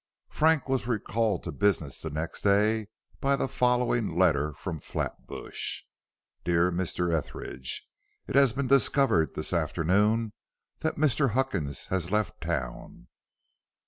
Frank was recalled to business the next day by the following letter from Flatbush: DEAR MR. ETHERIDGE: It has been discovered this afternoon that Mr. Huckins has left town.